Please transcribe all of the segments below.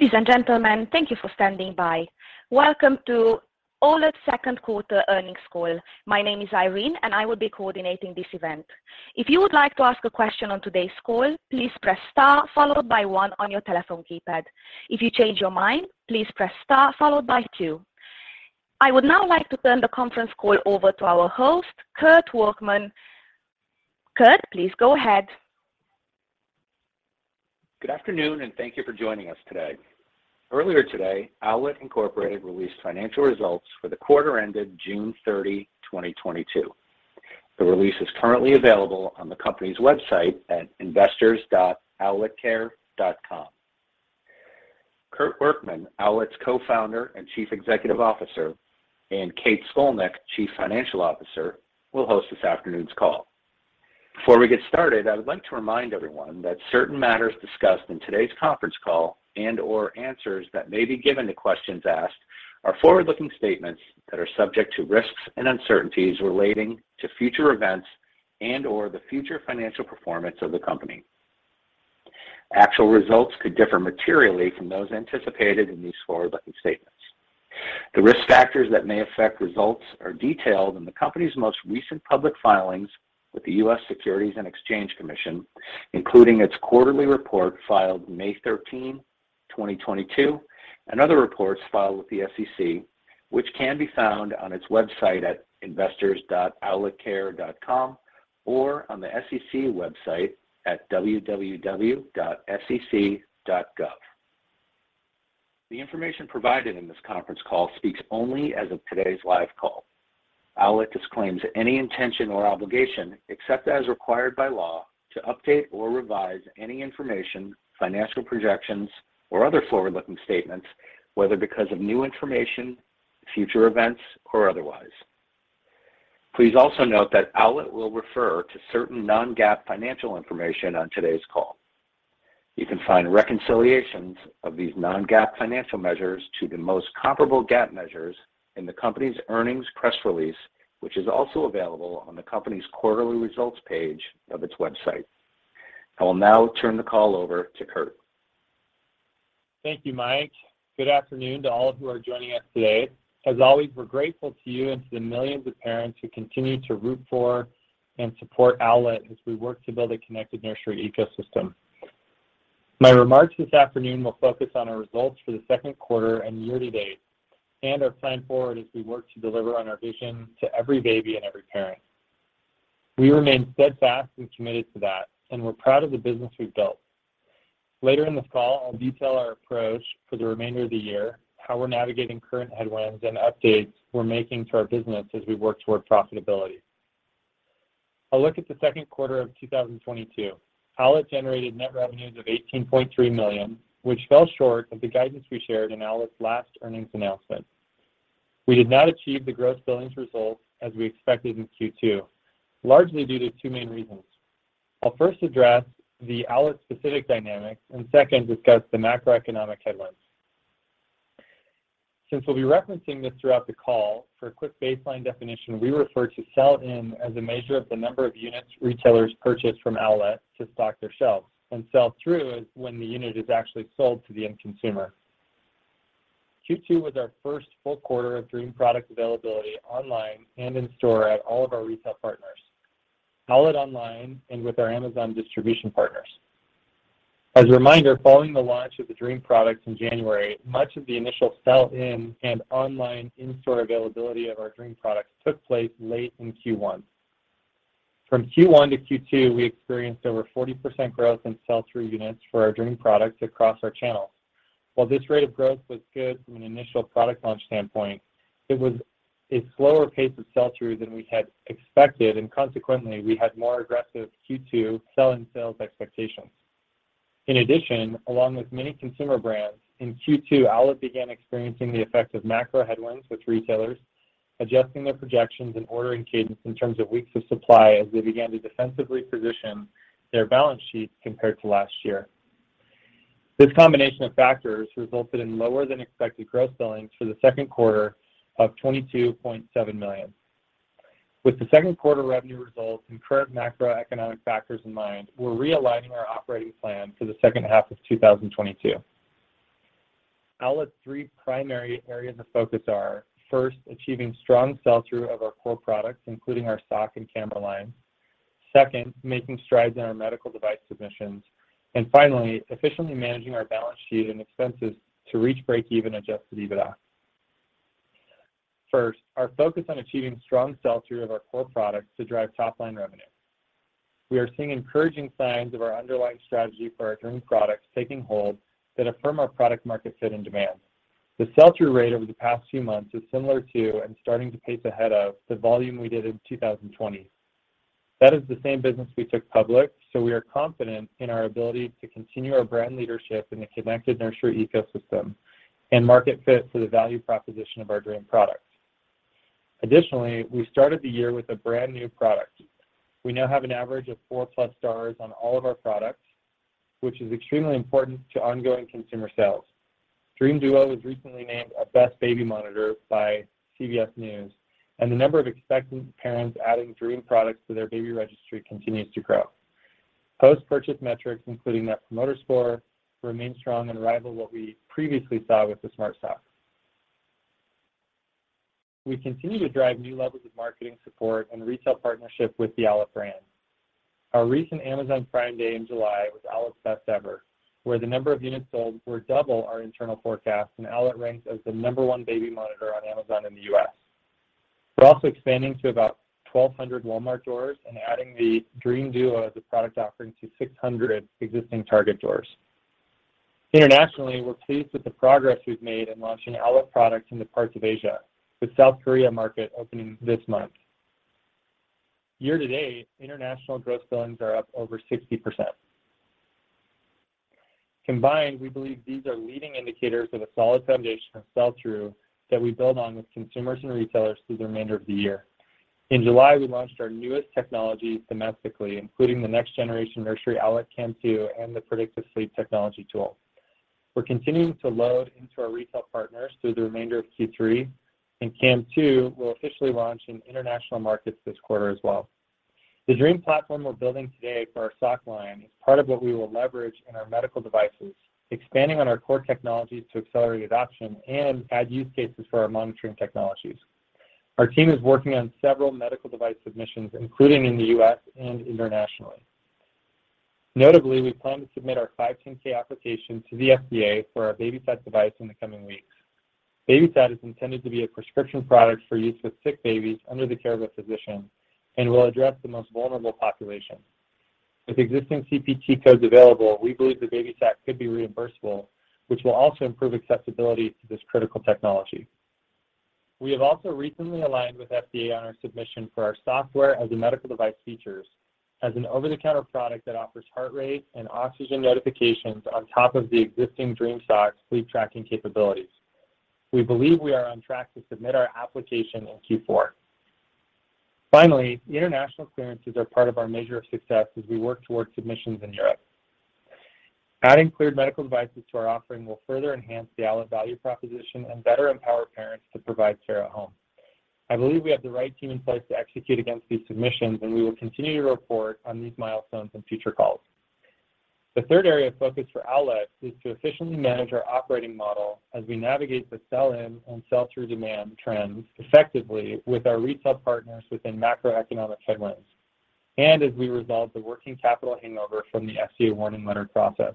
Ladies and gentlemen, thank you for standing by. Welcome to Owlet's second quarter earnings call. My name is Irene, and I will be coordinating this event. If you would like to ask a question on today's call, please press star followed by one on your telephone keypad. If you change your mind, please press star followed by two. I would now like to turn the conference call over to our host, Kurt Workman. Kurt, please go ahead. Good afternoon, and thank you for joining us today. Earlier today, Owlet, Inc. released financial results for the quarter ended June 30, 2022. The release is currently available on the company's website at investors.owletcare.com. Kurt Workman, Owlet's Co-Founder and Chief Executive Officer, and Kate Scolnick, Chief Financial Officer, will host this afternoon's call. Before we get started, I would like to remind everyone that certain matters discussed in today's conference call and/or answers that may be given to questions asked are forward-looking statements that are subject to risks and uncertainties relating to future events and/or the future financial performance of the company. Actual results could differ materially from those anticipated in these forward-looking statements. The risk factors that may affect results are detailed in the company's most recent public filings with the U.S. Securities and Exchange Commission, including its quarterly report filed May 13, 2022, and other reports filed with the SEC, which can be found on its website at investors.owletcare.com or on the SEC website at www.sec.gov. The information provided in this conference call speaks only as of today's live call. Owlet disclaims any intention or obligation, except as required by law, to update or revise any information, financial projections or other forward-looking statements, whether because of new information, future events or otherwise. Please also note that Owlet will refer to certain non-GAAP financial information on today's call. You can find reconciliations of these non-GAAP financial measures to the most comparable GAAP measures in the company's earnings press release, which is also available on the company's quarterly results page of its website. I will now turn the call over to Kurt. Thank you, Mike. Good afternoon to all who are joining us today. As always, we're grateful to you and to the millions of parents who continue to root for and support Owlet as we work to build a connected nursery ecosystem. My remarks this afternoon will focus on our results for the second quarter and year to date, and our plan forward as we work to deliver on our vision to every baby and every parent. We remain steadfast and committed to that, and we're proud of the business we've built. Later in this call, I'll detail our approach for the remainder of the year, how we're navigating current headwinds, and updates we're making to our business as we work toward profitability. A look at the second quarter of 2022. Owlet generated net revenues of $18.3 million, which fell short of the guidance we shared in Owlet's last earnings announcement. We did not achieve the gross billings results as we expected in Q2, largely due to two main reasons. I'll first address the Owlet specific dynamics and second, discuss the macroeconomic headlines. Since we'll be referencing this throughout the call, for a quick baseline definition, we refer to sell-in as a measure of the number of units retailers purchase from Owlet to stock their shelves, and sell-through is when the unit is actually sold to the end consumer. Q2 was our first full quarter of Dream product availability online and in store at all of our retail partners, Owlet online and with our Amazon distribution partners. As a reminder, following the launch of the Dream products in January, much of the initial sell-in and online in-store availability of our Dream products took place late in Q1. From Q1 to Q2, we experienced over 40% growth in sell-through units for our Dream products across our channels. While this rate of growth was good from an initial product launch standpoint, it was a slower pace of sell-through than we had expected, and consequently, we had more aggressive Q2 sell-in and sales expectations. In addition, along with many consumer brands, in Q2, Owlet began experiencing the effects of macro headwinds, with retailers adjusting their projections and ordering cadence in terms of weeks of supply as they began to defensively position their balance sheets compared to last year. This combination of factors resulted in lower than expected gross billings for the second quarter of $22.7 million. With the second quarter revenue results and current macroeconomic factors in mind, we're realigning our operating plan for the second half of 2022. Owlet's three primary areas of focus are, first, achieving strong sell-through of our core products, including our Sock and camera line. Second, making strides in our medical device submissions. Finally, efficiently managing our balance sheet and expenses to reach break-even adjusted EBITDA. First, our focus on achieving strong sell-through of our core products to drive top-line revenue. We are seeing encouraging signs of our underlying strategy for our Dream products taking hold that affirm our product-market fit and demand. The sell-through rate over the past few months is similar to, and starting to pace ahead of, the volume we did in 2020. That is the same business we took public, so we are confident in our ability to continue our brand leadership in the connected nursery ecosystem and market fit for the value proposition of our Dream product. Additionally, we started the year with a brand new product. We now have an average of four plus stars on all of our products, which is extremely important to ongoing consumer sales. Dream Duo was recently named a best baby monitor by CBS News, and the number of expectant parents adding Dream products to their baby registry continues to grow. Post-purchase metrics, including net promoter score, remain strong and rival what we previously saw with the Smart Sock. We continue to drive new levels of marketing support and retail partnership with the Owlet brand. Our recent Amazon Prime Day in July was Owlet's best ever, where the number of units sold were double our internal forecast, and Owlet ranks as the number one baby monitor on Amazon in the U.S. We're also expanding to about 1,200 Walmart doors and adding the Dream Duo as a product offering to 600 existing Target doors. Internationally, we're pleased with the progress we've made in launching Owlet products into parts of Asia, with South Korea market opening this month. Year to date, international gross billings are up over 60%. Combined, we believe these are leading indicators of a solid foundation of sell-through that we build on with consumers and retailers through the remainder of the year. In July, we launched our newest technology domestically, including the next generation nursery Owlet Cam 2 and the Predictive Sleep Technology tool. We're continuing to load into our retail partners through the remainder of Q3, and Cam 2 will officially launch in international markets this quarter as well. The Dream platform we're building today for our Sock line is part of what we will leverage in our medical devices, expanding on our core technologies to accelerate adoption and add use cases for our monitoring technologies. Our team is working on several medical device submissions, including in the U.S. and internationally. Notably, we plan to submit our 510(k) application to the FDA for our BabySat device in the coming weeks. BabySat is intended to be a prescription product for use with sick babies under the care of a physician and will address the most vulnerable population. With existing CPT codes available, we believe the BabySat could be reimbursable, which will also improve accessibility to this critical technology. We have also recently aligned with FDA on our submission for our Software as a Medical Device features as an over-the-counter product that offers heart rate and oxygen notifications on top of the existing Dream Sock's sleep tracking capabilities. We believe we are on track to submit our application in Q4. Finally, international clearances are part of our measure of success as we work towards submissions in Europe. Adding cleared medical devices to our offering will further enhance the Owlet value proposition and better empower parents to provide care at home. I believe we have the right team in place to execute against these submissions, and we will continue to report on these milestones in future calls. The third area of focus for Owlet is to efficiently manage our operating model as we navigate the sell-in and sell-through demand trends effectively with our retail partners within macroeconomic headwinds and as we resolve the working capital hangover from the FDA warning letter process.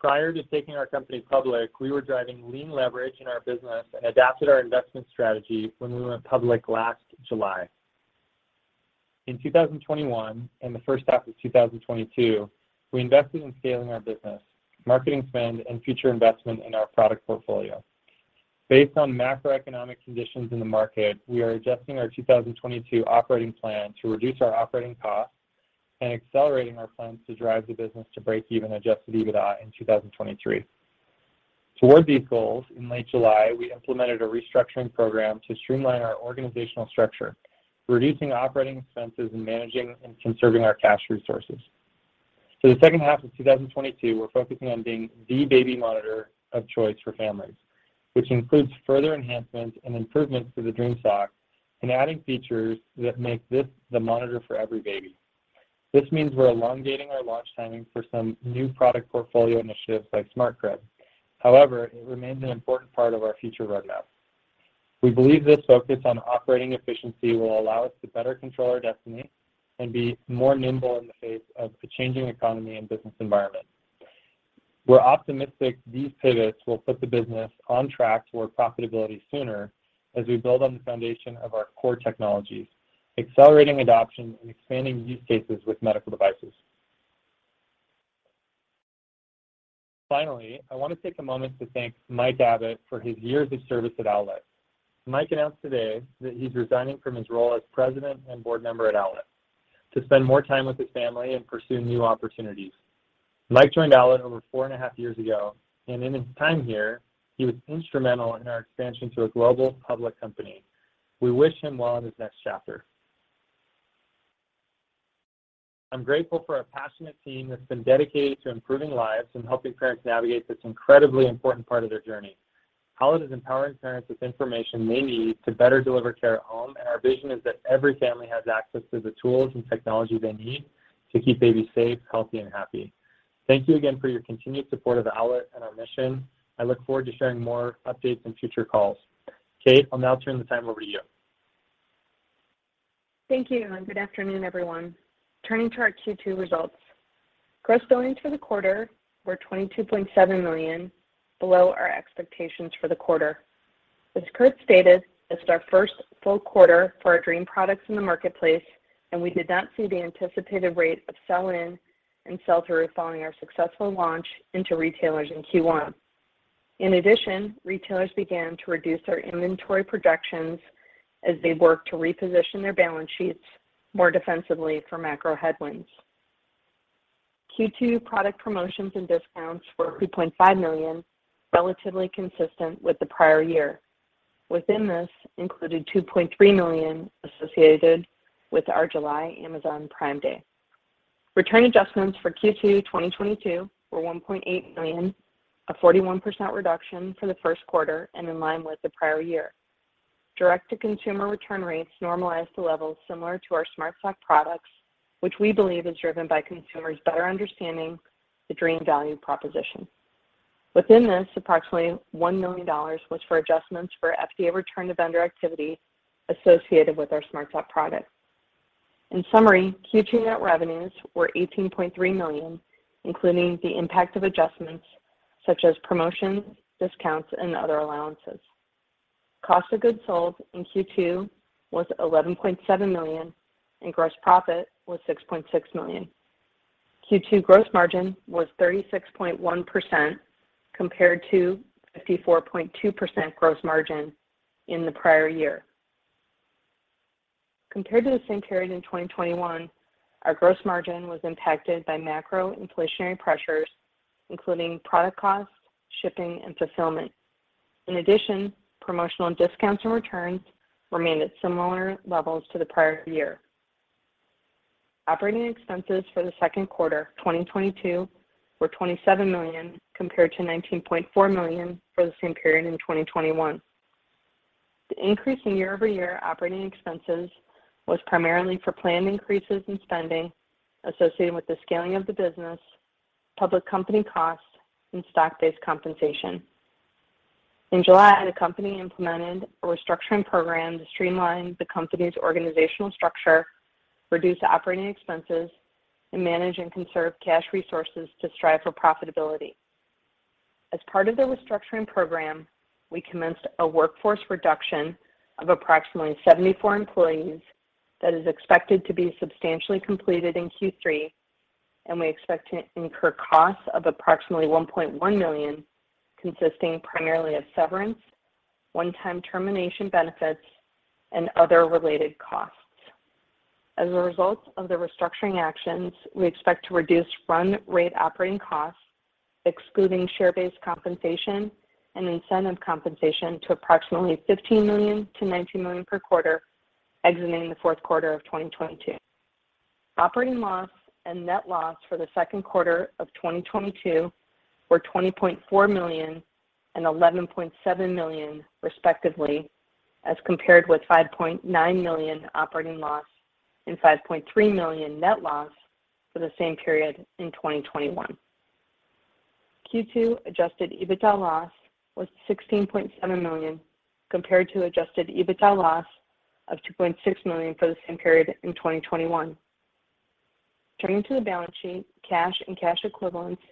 Prior to taking our company public, we were driving lean leverage in our business and adapted our investment strategy when we went public last July. In 2021 and the first half of 2022, we invested in scaling our business, marketing spend, and future investment in our product portfolio. Based on macroeconomic conditions in the market, we are adjusting our 2022 operating plan to reduce our operating costs and accelerating our plans to drive the business to break even adjusted EBITDA in 2023. Toward these goals, in late July, we implemented a restructuring program to streamline our organizational structure, reducing operating expenses and managing and conserving our cash resources. For the second half of 2022, we're focusing on being the baby monitor of choice for families, which includes further enhancements and improvements to the Dream Sock and adding features that make this the monitor for every baby. This means we're elongating our launch timing for some new product portfolio initiatives like Smart Crib. However, it remains an important part of our future roadmap. We believe this focus on operating efficiency will allow us to better control our destiny and be more nimble in the face of the changing economy and business environment. We're optimistic these pivots will put the business on track toward profitability sooner as we build on the foundation of our core technologies, accelerating adoption and expanding use cases with medical devices. Finally, I want to take a moment to thank Mike Cavanaugh for his years of service at Owlet. Mike announced today that he's resigning from his role as President and board member at Owlet to spend more time with his family and pursue new opportunities. Mike joined Owlet over four and a half years ago, and in his time here, he was instrumental in our expansion to a global public company. We wish him well in his next chapter. I'm grateful for our passionate team that's been dedicated to improving lives and helping parents navigate this incredibly important part of their journey. Owlet is empowering parents with information they need to better deliver care at home, and our vision is that every family has access to the tools and technology they need to keep babies safe, healthy and happy. Thank you again for your continued support of Owlet and our mission. I look forward to sharing more updates in future calls. Kate, I'll now turn the time over to you. Thank you, and good afternoon, everyone. Turning to our Q2 results, gross billings for the quarter were $22.7 million, below our expectations for the quarter. As Kurt stated, this is our first full quarter for our Dream products in the marketplace, and we did not see the anticipated rate of sell-in and sell-through following our successful launch into retailers in Q1. In addition, retailers began to reduce their inventory projections as they work to reposition their balance sheets more defensively for macro headwinds. Q2 product promotions and discounts were $3.5 million, relatively consistent with the prior year. Within this included $2.3 million associated with our July Amazon Prime Day. Return adjustments for Q2 2022 were $1.8 million, a 41% reduction for the first quarter and in line with the prior year. Direct-to-consumer return rates normalized to levels similar to our Smart Sock products, which we believe is driven by consumers better understanding the Dream value proposition. Within this, approximately $1 million was for adjustments for FDA return to vendor activity associated with our Smart Sock product. In summary, Q2 net revenues were $18.3 million, including the impact of adjustments such as promotions, discounts, and other allowances. Cost of goods sold in Q2 was $11.7 million, and gross profit was $6.6 million. Q2 gross margin was 36.1% compared to 54.2% gross margin in the prior year. Compared to the same period in 2021, our gross margin was impacted by macro inflationary pressures, including product costs, shipping, and fulfillment. In addition, promotional and discounts and returns remained at similar levels to the prior year. Operating expenses for the second quarter 2022 were $27 million compared to $19.4 million for the same period in 2021. The increase in year-over-year operating expenses was primarily for planned increases in spending associated with the scaling of the business, public company costs, and stock-based compensation. In July, the company implemented a restructuring program to streamline the company's organizational structure, reduce operating expenses, and manage and conserve cash resources to strive for profitability. As part of the restructuring program, we commenced a workforce reduction of approximately 74 employees that is expected to be substantially completed in Q3, and we expect to incur costs of approximately $1.1 million, consisting primarily of severance, one-time termination benefits, and other related costs. As a result of the restructuring actions, we expect to reduce run rate operating costs, excluding share-based compensation and incentive compensation, to approximately $15 million-$19 million per quarter exiting the fourth quarter of 2022. Operating loss and net loss for the second quarter of 2022 were $20.4 million and $11.7 million, respectively, as compared with $5.9 million operating loss and $5.3 million net loss for the same period in 2021. Q2 adjusted EBITDA loss was $16.7 million compared to adjusted EBITDA loss of $2.6 million for the same period in 2021. Turning to the balance sheet, cash and cash equivalents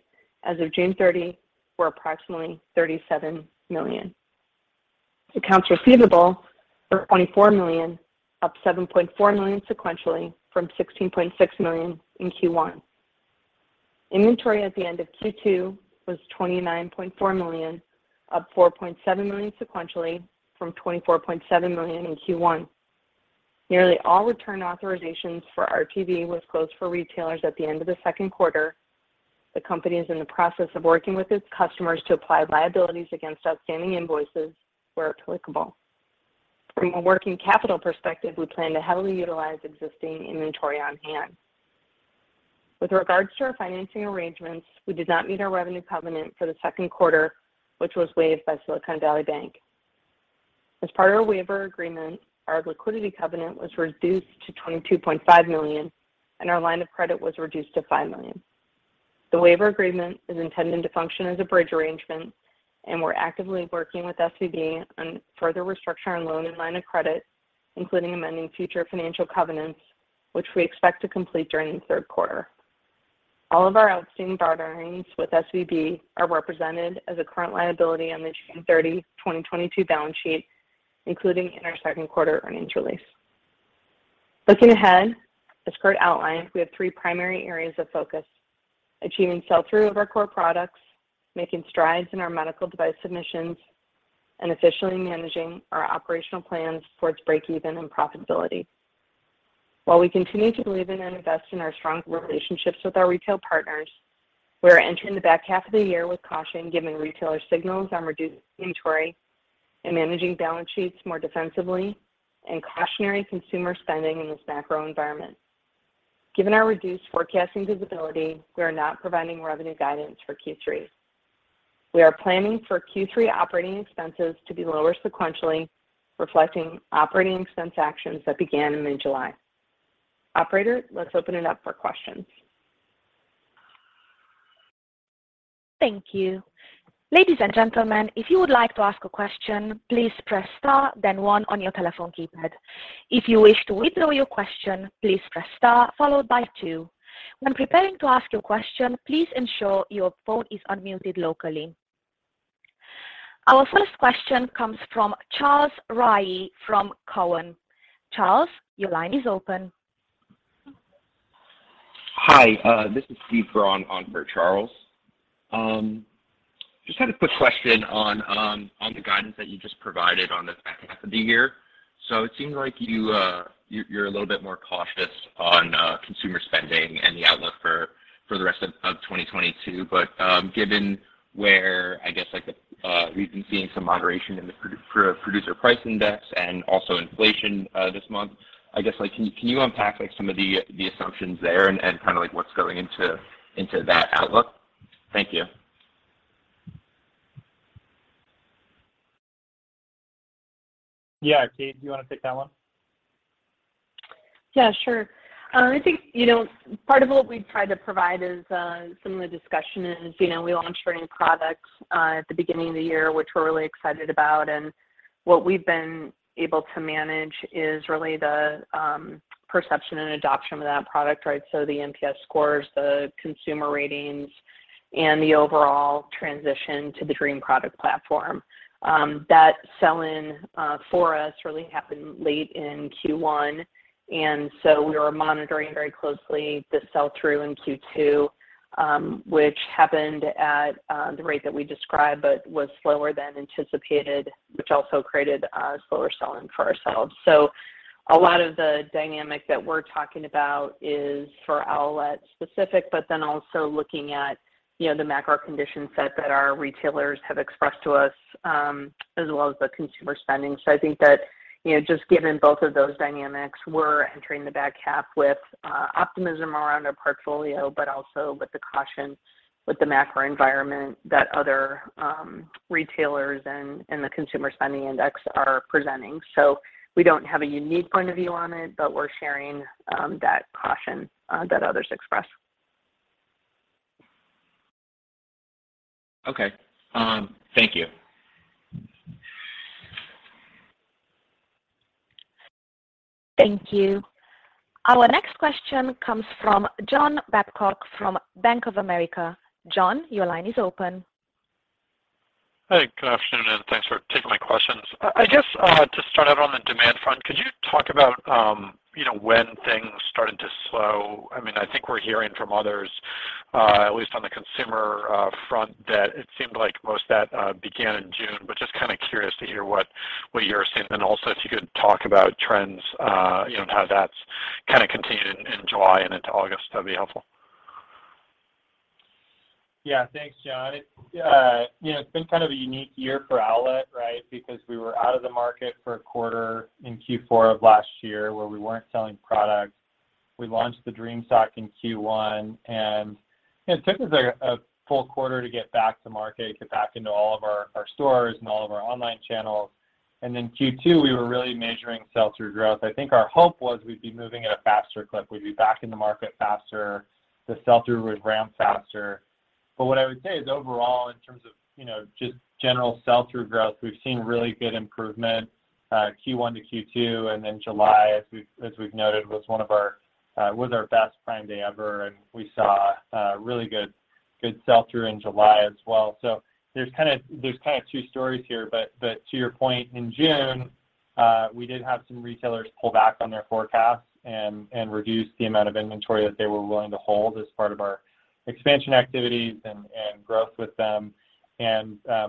as of June 30 were approximately $37 million. Accounts receivable are $24 million, up $7.4 million sequentially from $16.6 million in Q1. Inventory at the end of Q2 was $29.4 million, up $4.7 million sequentially from $24.7 million in Q1. Nearly all return authorizations for RTV was closed for retailers at the end of the second quarter. The company is in the process of working with its customers to apply liabilities against outstanding invoices where applicable. From a working capital perspective, we plan to heavily utilize existing inventory on hand. With regards to our financing arrangements, we did not meet our revenue covenant for the second quarter, which was waived by Silicon Valley Bank. As part of our waiver agreement, our liquidity covenant was reduced to $22.5 million, and our line of credit was reduced to $5 million. The waiver agreement is intended to function as a bridge arrangement, and we're actively working with SVB on further restructuring our loan and line of credit, including amending future financial covenants, which we expect to complete during the third quarter. All of our outstanding drawdowns with SVB are represented as a current liability on the June 30, 2022 balance sheet, including in our second quarter earnings release. Looking ahead, as Kurt outlined, we have three primary areas of focus, achieving sell-through of our core products, making strides in our medical device submissions, and efficiently managing our operational plans towards breakeven and profitability. While we continue to believe in and invest in our strong relationships with our retail partners, we are entering the back half of the year with caution, given retailer signals on reduced inventory and managing balance sheets more defensively and cautionary consumer spending in this macro environment. Given our reduced forecasting visibility, we are not providing revenue guidance for Q3. We are planning for Q3 operating expenses to be lower sequentially, reflecting operating expense actions that began in mid-July. Operator, let's open it up for questions. Thank you. Ladies and gentlemen, if you would like to ask a question, please press star then one on your telephone keypad. If you wish to withdraw your question, please press star followed by two. When preparing to ask your question, please ensure your phone is unmuted locally. Our first question comes from Charles Rhyee from Cowen. Charles, your line is open. Hi, this is Steve Braun on for Charles. Just had a quick question on the guidance that you just provided on the back half of the year. It seems like you're a little bit more cautious on consumer spending and the outlook for the rest of 2022. Given where I guess like the, we've been seeing some moderation in the producer price index and also inflation this month, I guess like can you unpack like some of the assumptions there and kind of like what's going into that outlook? Thank you. Yeah, Kate, do you wanna take that one? Yeah, sure. I think, you know, part of what we've tried to provide is some of the discussion is, you know, we launched brand new products at the beginning of the year, which we're really excited about. What we've been able to manage is really the perception and adoption of that product, right? So the NPS scores, the consumer ratings, and the overall transition to the Dream product platform. That sell-in for us really happened late in Q1, and so we were monitoring very closely the sell-through in Q2, which happened at the rate that we described, but was slower than anticipated, which also created a slower sell-in for ourselves. A lot of the dynamic that we're talking about is for Owlet specific, but then also looking at, you know, the macro condition set that our retailers have expressed to us, as well as the consumer spending. I think that, you know, just given both of those dynamics, we're entering the back half with optimism around our portfolio, but also with the caution with the macro environment that other retailers and the consumer spending index are presenting. We don't have a unique point of view on it, but we're sharing that caution that others express. Okay. Thank you. Thank you. Our next question comes from John Babcock from Bank of America. John, your line is open. Hey, good afternoon, and thanks for taking my questions. I guess to start out on the demand front, could you talk about you know, when things started to slow? I mean, I think we're hearing from others at least on the consumer front, that it seemed like most of that began in June, but just kinda curious to hear what you're seeing. Also if you could talk about trends you know, and how that's kinda continued in July and into August, that'd be helpful. Yeah. Thanks, John. It you know, it's been kind of a unique year for Owlet, right? Because we were out of the market for a quarter in Q4 of last year where we weren't selling product. We launched the Dream Sock in Q1, and you know, it took us a full quarter to get back to market, get back into all of our stores and all of our online channels. Q2, we were really measuring sell-through growth. I think our hope was we'd be moving at a faster clip. We'd be back in the market faster, the sell-through would ramp faster. What I would say is overall, in terms of, you know, just general sell-through growth, we've seen really good improvement, Q1 to Q2, and then July, as we've noted, was our best Prime Day ever, and we saw really good sell-through in July as well. There's kinda two stories here, but to your point, in June, we did have some retailers pull back on their forecasts and reduce the amount of inventory that they were willing to hold as part of our expansion activities and growth with them.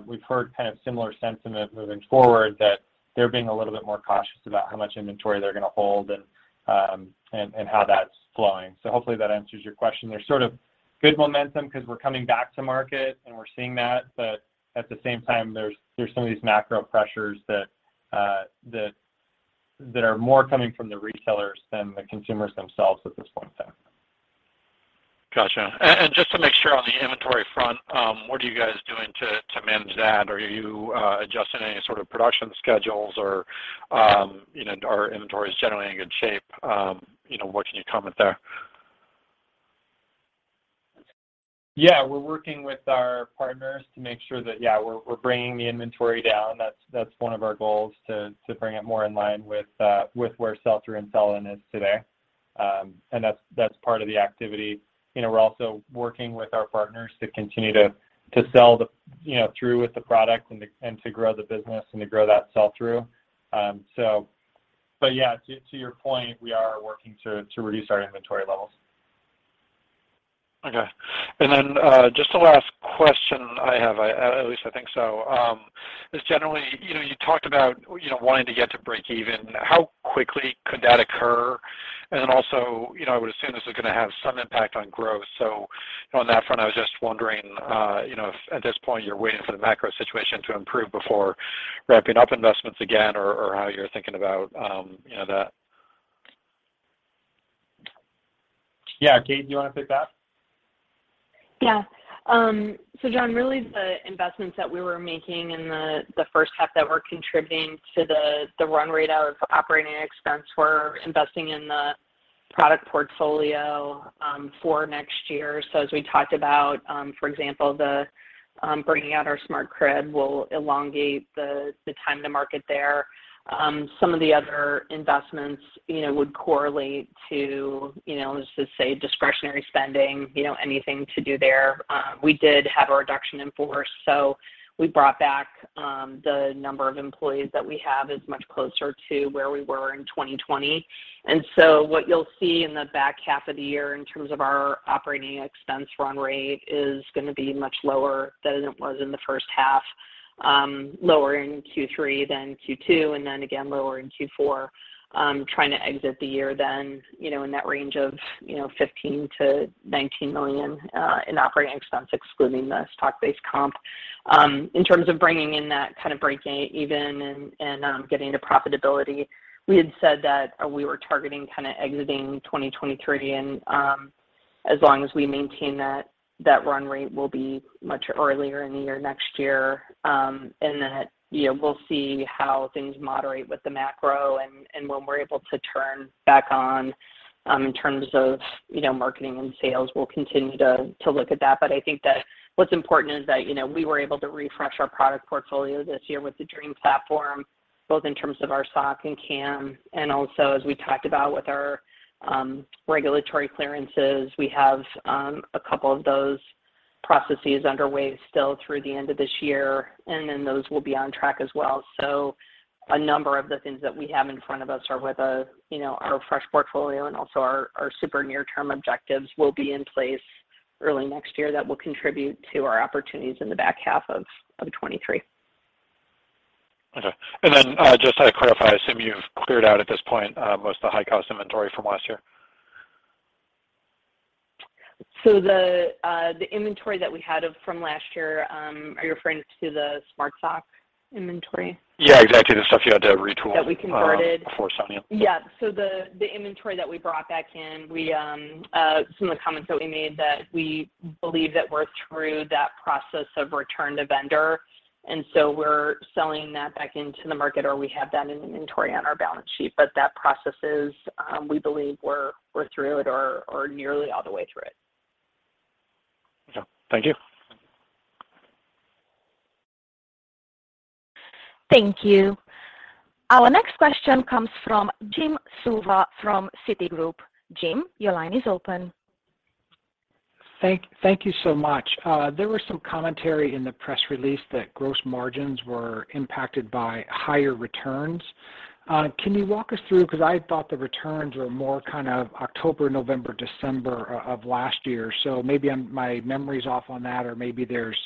We've heard kind of similar sentiment moving forward that they're being a little bit more cautious about how much inventory they're gonna hold and how that's flowing. Hopefully that answers your question. There's sort of good momentum 'cause we're coming back to market, and we're seeing that, but at the same time, there's some of these macro pressures that are more coming from the retailers than the consumers themselves at this point in time. Gotcha. Just to make sure on the inventory front, what are you guys doing to manage that? Are you adjusting any sort of production schedules or, you know, are inventories generally in good shape? You know, what can you comment there? Yeah. We're working with our partners to make sure that we're bringing the inventory down. That's one of our goals, to bring it more in line with where sell-through and sell-in is today. That's part of the activity. You know, we're also working with our partners to continue to sell, you know, through with the product and to grow the business and to grow that sell-through. But yeah, to your point, we are working to reduce our inventory levels. Okay. Just a last question I have, at least I think so. Just generally, you know, you talked about, you know, wanting to get to breakeven. How quickly could that occur? You know, I would assume this is gonna have some impact on growth. You know, on that front, I was just wondering, you know, if at this point you're waiting for the macro situation to improve before ramping up investments again or how you're thinking about, you know, that. Yeah. Kate, do you wanna take that? John, really the investments that we were making in the first half that were contributing to the run rate of operating expense were investing in the product portfolio for next year. As we talked about, for example, bringing out our Smart Crib will elongate the time to market there. Some of the other investments, you know, would correlate to, you know, let's just say discretionary spending, you know, anything to do there. We did have a reduction in force, so we brought back the number of employees that we have is much closer to where we were in 2020. What you'll see in the back half of the year in terms of our operating expense run rate is gonna be much lower than it was in the first half, lower in Q3 than Q2, and then again lower in Q4. Trying to exit the year then, you know, in that range of, you know, $15 million-$19 million in operating expense, excluding the stock-based comp. In terms of bringing in that kind of breaking even and getting to profitability, we had said that we were targeting kinda exiting 2023 and as long as we maintain that run rate will be much earlier in the year next year. You know, we'll see how things moderate with the macro and when we're able to turn back on in terms of you know, marketing and sales. We'll continue to look at that. I think that what's important is that you know, we were able to refresh our product portfolio this year with the Dream platform, both in terms of our Sock and Cam, and also, as we talked about with our regulatory clearances. We have a couple of those processes underway still through the end of this year, and then those will be on track as well. A number of the things that we have in front of us are with, you know, our fresh portfolio and also our super near-term objectives will be in place early next year that will contribute to our opportunities in the back half of 2023. Okay. Just to clarify, I assume you've cleared out at this point most of the high-cost inventory from last year. The inventory that we had from last year, are you referring to the Smart Sock inventory? Yeah, exactly. The stuff you had to retool. That we converted. For [Sonia]. Yeah. The inventory that we brought back in, some of the comments that we made that we believe that we're through that process of return to vendor, and so we're selling that back into the market or we have that in inventory on our balance sheet. That process is, we believe we're through it or nearly all the way through it. Okay. Thank you. Thank you. Our next question comes from Jim Suva from Citigroup. Jim, your line is open. Thank you so much. There was some commentary in the press release that gross margins were impacted by higher returns. Can you walk us through? 'Cause I thought the returns were more kind of October, November, December of last year. Maybe I'm— my memory's off on that or maybe there's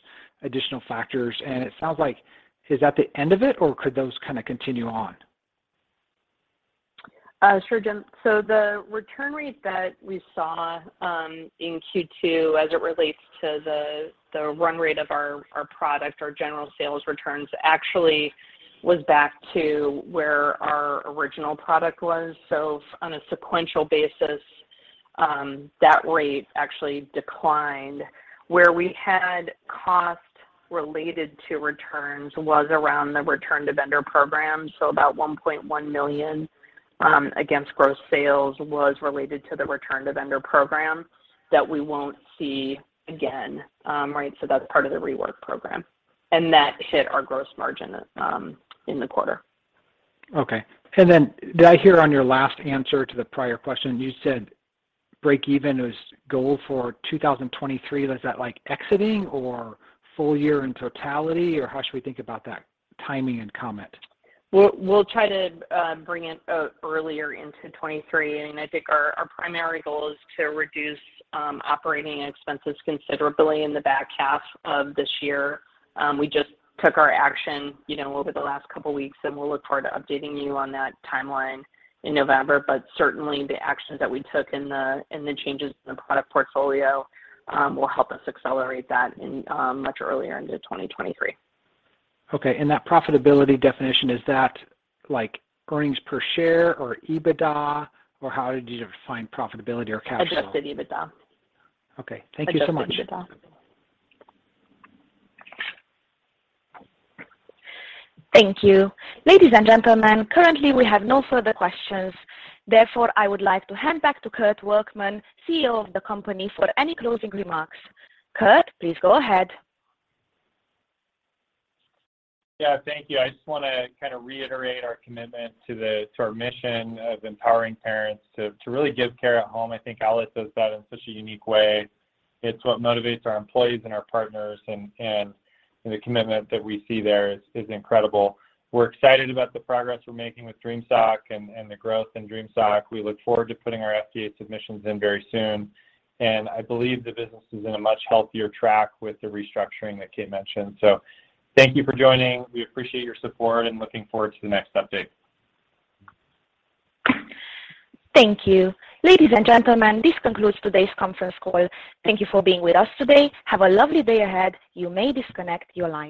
additional factors, and it sounds like is that the end of it or could those kinda continue on? Sure, Jim. The return rate that we saw in Q2 as it relates to the run rate of our product, our general sales returns, actually was back to where our original product was. On a sequential basis, that rate actually declined. Where we had costs related to returns was around the return to vendor program. About $1.1 million against gross sales was related to the return to vendor program that we won't see again. Right? That's part of the rework program. That hit our gross margin in the quarter. Okay. Did I hear on your last answer to the prior question, you said break even is goal for 2023? Was that like exiting or full year in totality, or how should we think about that timing and comment? We'll try to bring it earlier into 2023, and I think our primary goal is to reduce operating expenses considerably in the back half of this year. We just took our action, you know, over the last couple weeks, and we'll look forward to updating you on that timeline in November. Certainly the actions that we took in the changes in the product portfolio will help us accelerate that in much earlier into 2023. Okay. That profitability definition, is that like earnings per share or EBITDA, or how did you define profitability or capital? Adjusted EBITDA. Okay. Thank you so much. Adjusted EBITDA. Thank you. Ladies and gentlemen, currently we have no further questions. Therefore, I would like to hand back to Kurt Workman, CEO of the company, for any closing remarks. Kurt, please go ahead. Yeah. Thank you. I just wanna kinda reiterate our commitment to our mission of empowering parents to really give care at home. I think Owlet does that in such a unique way. It's what motivates our employees and our partners and the commitment that we see there is incredible. We're excited about the progress we're making with Dream Sock and the growth in Dream Sock. We look forward to putting our FDA submissions in very soon. I believe the business is in a much healthier track with the restructuring that Kate mentioned. Thank you for joining. We appreciate your support and looking forward to the next update. Thank you. Ladies and gentlemen, this concludes today's conference call. Thank you for being with us today. Have a lovely day ahead. You may disconnect your lines.